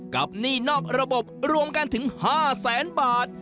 กับหนี้นอกระบบรวมกันถึง๕๐๐๐๐๐บาท